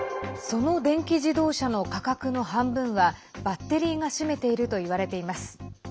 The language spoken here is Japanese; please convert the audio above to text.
その電気自動車の価格の半分はバッテリーが占めているといわれています。